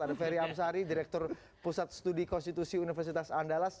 ada ferry amsari direktur pusat studi konstitusi universitas andalas